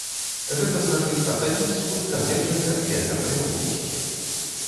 Гэта значыць, ацаніць з пункта гледжання гендэрнай роўнасці.